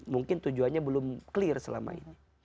mungkin tujuannya belum clear selama ini